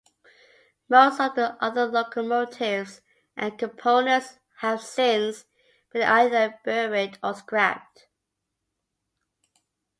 Most of the other locomotives and components have since been either buried or scrapped.